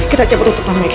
kita cabut tuntutan mike